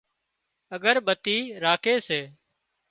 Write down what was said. اڳرٻتي راکي سي